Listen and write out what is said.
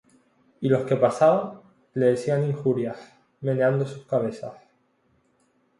Y los que pasaban, le decían injurias, meneando sus cabezas,